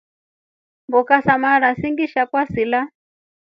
Mboka sa mara singisha kwasila.